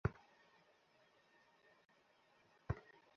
ছবির সঙ্গে ছড়ার যোগসূত্র সেই দুই-আড়াই বছর বয়সেও সঠিকভাবে মনে রাখতে পারতেন।